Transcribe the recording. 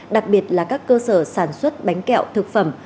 đặc biệt là các cơ sở sản xuất bánh kẹo thực phẩm